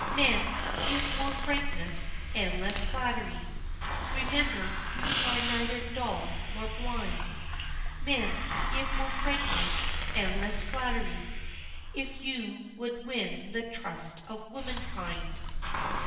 Men, give more frankness, and less flattery, Remember, we are neither dull, nor blind, Men, give more frankness, and less flattery, If you would win the trust of womankind."